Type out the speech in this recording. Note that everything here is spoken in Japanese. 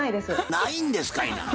ないんですかいな。